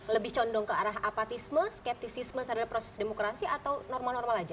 lebih condong ke arah apatisme skeptisisme terhadap proses demokrasi atau normal normal aja